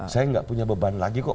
saya nggak punya beban lagi kok